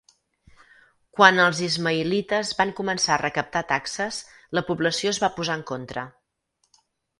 Quan els ismaïlites van començar a recaptar taxes la població es va posar en contra.